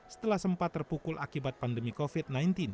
setelah sempat terpukul akibat pandemi covid sembilan belas